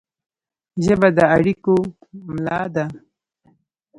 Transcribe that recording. ژبه د اړیکو ملا ده